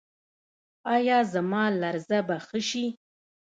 ایا زما لرزه به ښه شي؟